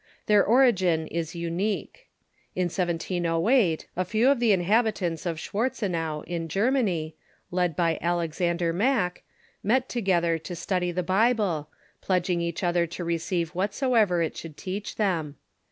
Their origin is unique. In 1V08 a few of the inhabitants of Schwartzenau, in Germany, led by Alexander Mack, met together to study the Bible, pledging each other to receive whatsoever it should teach them.